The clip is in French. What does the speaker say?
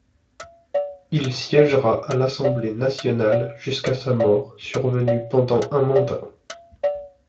Il siégera à l'Assemblée nationale jusqu'à sa mort survenue pendant un mandat.